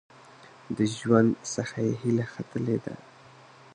د ژوند څخه یې هیله ختلې ده .